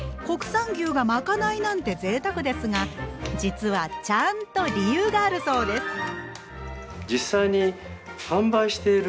国産牛がまかないなんてぜいたくですが実はちゃんと理由があるそうです。